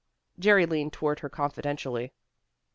Jerry leaned toward her confidentially.